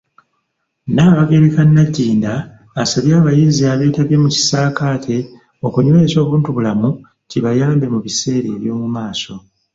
Nnaabagereka Nagginda asabye abayizi abeetabye mu kisaakaate okunyweza obuntubulamu, kibayambe mu biseera byomumaaso.